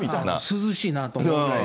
涼しいなと思うぐらい。